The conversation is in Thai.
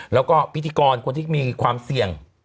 แล้วก็พิธีกรคนที่มีความเสี่ยง